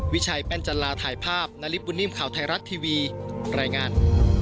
วิชัยแป้นจันลาถ่ายภาพนาริสบุญนิ่มข่าวไทยรัฐทีวีรายงาน